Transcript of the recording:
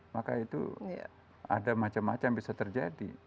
maka itu ada macam macam bisa terjadi